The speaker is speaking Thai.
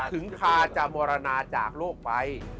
ถึงคาจะมรณาจากโลกไป